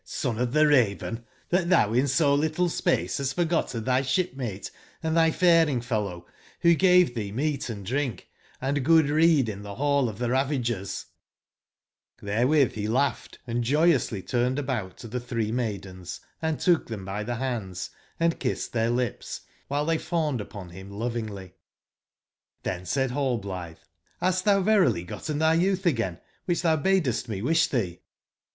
Son of the Raven, that tbou in so little space bast forgotten tby sbipmate and tby faring/fellow; wbo gave tbec meat and drinh, and good rede in tbe Hall of tbe Ravagers/' Hbercwitb be laugbcd & joyously turned about to tbe tbree maidens and took tbem by tbe bands and kissed tbeir lips, wbiletbey fawned upon bim lovingly j^riben said Rallblitbe: ^'Hast tbou verily gotten tby youtb again, wbicb tbou badest mewisbtbee?